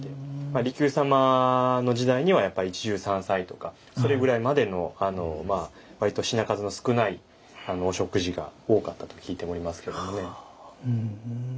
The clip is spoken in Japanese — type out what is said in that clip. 利休様の時代には一汁三菜とかそれぐらいまでの割と品数の少ないお食事が多かったと聞いておりますけれどもね。